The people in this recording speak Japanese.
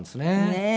ねえ。